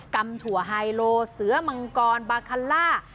ำถั่วไฮโลเสือมังกรบาคาล่า